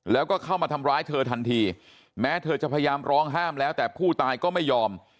แล้วก็เข้ามาทำร้ายเธอทันทีแม้เธอจะพยายามร้องห้ามแล้วแต่ผู้ตายก็ไม่ยอม